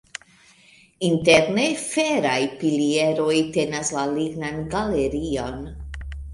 Interne feraj pilieroj tenas la lignan galerion.